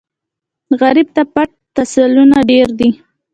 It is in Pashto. غریب ته پټ تسلونه ډېر دي